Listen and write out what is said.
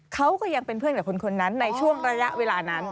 เขาก็ยังเป็นเพื่อนกับคนนั้นในช่วงระยะเวลานั้น